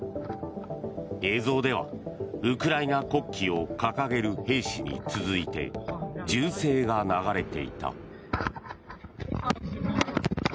映像では、ウクライナ国旗を掲げる兵士に続いて銃声が流れていた。